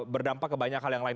berdampak ke banyak hal yang lain